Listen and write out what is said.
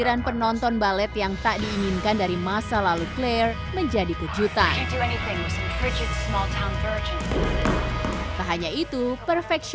dan juga bergabung dengan institusi balet bergensi